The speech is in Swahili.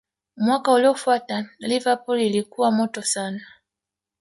mwaka uliofuata Liverpool ilikuwa moto sana